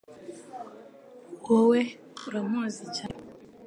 Wowe uramuzi cyane pe